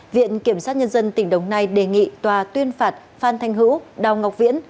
viện kiểm sát nhân dân tỉnh đồng nai đề nghị tòa tuyên phạt phan thanh hữu đào ngọc viễn